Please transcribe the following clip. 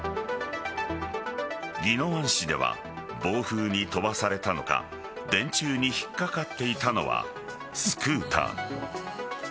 宜野湾市では暴風に飛ばされたのか電柱に引っかかっていたのはスクーター。